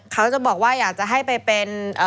ก็บอกว่าอยากจะให้ไปเป็น